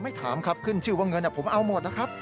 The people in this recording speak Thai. ถามครับขึ้นชื่อว่าเงินผมเอาหมดนะครับ